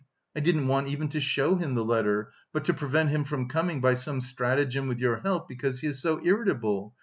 I didn't want even to show him the letter, but to prevent him from coming by some stratagem with your help... because he is so irritable....